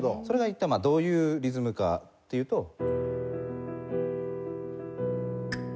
それが一体どういうリズムかっていうと。